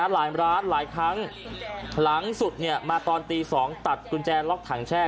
หลายร้านหลายครั้งหลังสุดมาตอนตี๒ตัดกุญแจล็อกถังแช่